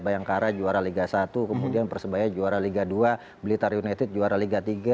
bayangkara juara liga satu kemudian persebaya juara liga dua blitar united juara liga tiga